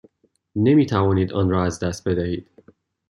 نمی توانید آن را از دست بدهید.